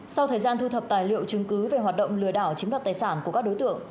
sau thời gian thu thập tài liệu chứng cứ về hoạt động lừa đảo chiếm đoạt tài sản của các đối tượng